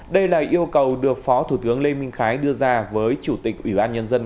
đây là yêu cầu được phó thủ tướng lê minh khái đưa ra với chủ tịch ủy ban nhân dân